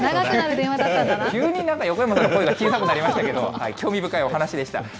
急に横山さんの声が小さくなりましたけれども、興味深いお話でした。